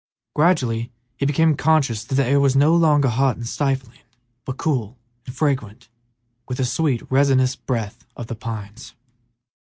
Gradually he became conscious that the air was no longer hot and stifling, but cool and fragrant with the sweet, resinous breath of pines.